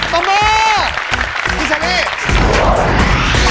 หมอพี่เชอรี่ค่ะ